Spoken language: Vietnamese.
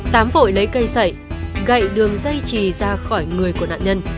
tám vội lấy cây sậy gậy đường dây trì ra khỏi người của nạn nhân